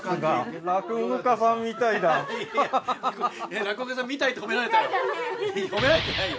「落語家さんみたい」って褒められたよ。